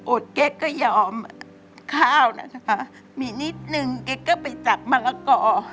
โอดเก๊กก็ยอมข้าวนะคะมีนิดหนึ่งเก๊กก็ไปสักมะละกอ